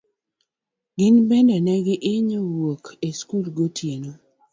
Gin bende ne gihinyo wuok e skul gotieno.